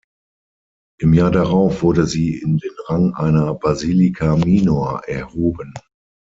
Im Jahr darauf wurde sie in den Rang einer Basilica minor erhoben.